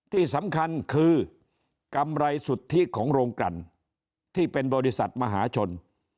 ที่สำคัญคือกำไรสุทธิของโรงกันที่เป็นบริษัทมหาชน